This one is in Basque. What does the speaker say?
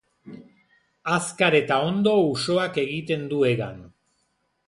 Azkar eta ondo usoak egiten du hegan.